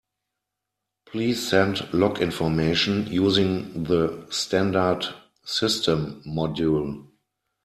Please send log information using the standard system module.